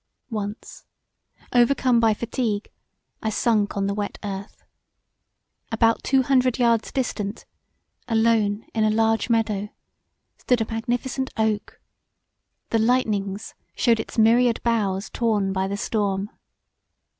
Once, overcome by fatigue, I sunk on the wet earth; about two hundred yards distant, alone in a large meadow stood a magnificent oak; the lightnings shewed its myriad boughs torn by the storm.